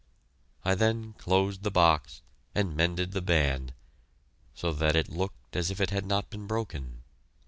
I then closed the box and mended the band so that it looked as if it had not been broken.